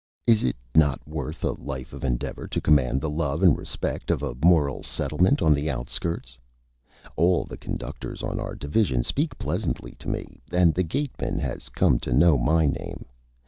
Is it not worth a Life of Endeavor to command the Love and Respect of a Moral Settlement on the Outskirts? All the Conductors on our Division speak pleasantly to Me, and the Gateman has come to know my Name.